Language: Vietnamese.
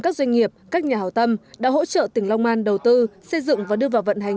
các doanh nghiệp các nhà hảo tâm đã hỗ trợ tỉnh long an đầu tư xây dựng và đưa vào vận hành